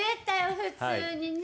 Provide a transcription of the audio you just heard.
普通にね。